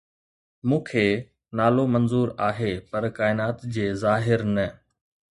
مون کي نالو منظور آهي پر ڪائنات جي ظاهر نه